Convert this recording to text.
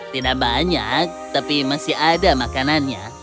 tidak banyak tapi masih ada makanannya